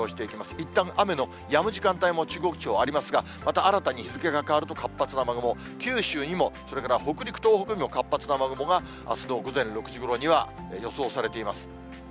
いったん雨のやむ時間帯も中国地方ありますが、また新たに日付が変わると活発な雨雲、九州にも、それから北陸、東北にも、活発な雨雲が、あすの午前６時ごろには予想されています。